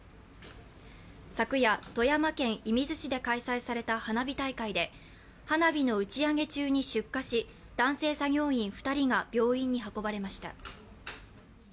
昨夜、富山県射水市で開催された花火大会で花火の打ち上げ中に出火し男性作業員２人が病院に運ばれました。